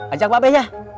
ajak pak peh ya